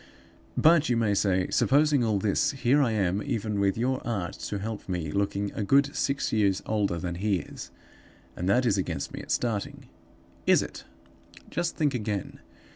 "'But,' you may say, 'supposing all this, here I am, even with your art to help me, looking a good six years older than he is; and that is against me at starting.' Is it? Just think again.